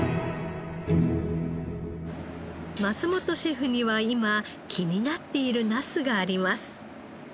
松本シェフには今気になっているナスがあります。